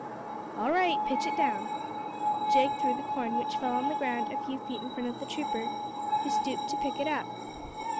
"All right pitch it down." Jake threw the coin, which fell on the ground a few feet in front of the trooper, who stooped to pick it up.